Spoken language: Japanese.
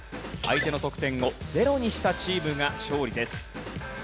相手の得点をゼロにしたチームが勝利です。